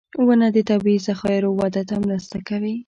• ونه د طبعي ذخایرو وده ته مرسته کوي.